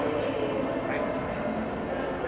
ขอบคุณทุกคนมากครับที่ทุกคนรัก